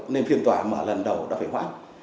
nên phiền tòa mở lần đầu đã phải hoác